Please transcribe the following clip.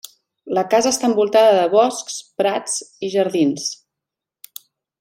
La casa està envoltada de boscs, prats i jardins.